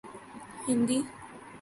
Hindi